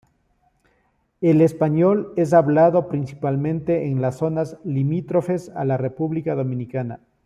El español es hablado principalmente en las zonas limítrofes a la República Dominicana.